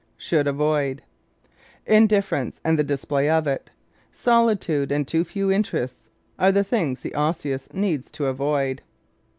Should Avoid ¶ Indifference and the display of it, solitude and too few interests are things the Osseous needs to avoid.